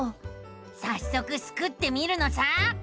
さっそくスクってみるのさ！